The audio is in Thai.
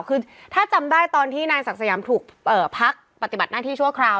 คือถ้าจำได้ตอนที่นายศักดิ์สยามถูกพักปฏิบัติหน้าที่ชั่วคราว